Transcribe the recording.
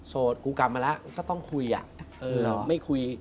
โสดกูกลับมาแล้วก็ต้องคุยอะ